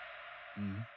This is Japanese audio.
うん？